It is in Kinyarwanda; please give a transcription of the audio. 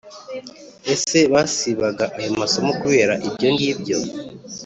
ese basibaga ayo masomo kubera ibyo ngibyo.